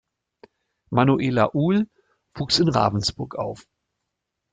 Manuela Uhl wuchs in Ravensburg auf.